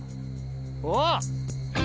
おっ！